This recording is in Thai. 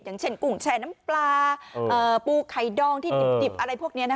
อย่างเช่นกุ่งแชร์น้ำปลาปูไข่ดองที่ดิบอะไรพวกนี้